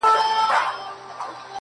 o که ترخه شراب ګنا ده او حرام دي,